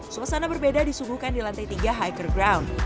suasana berbeda disungguhkan di lantai tiga hiker ground